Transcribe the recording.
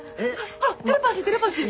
テレパシーテレパシー。